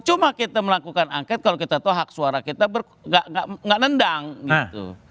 cuma kita melakukan angket kalau kita tahu hak suara kita nggak nendang gitu